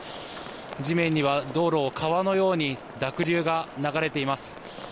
地面には、道路を川のように濁流が流れています。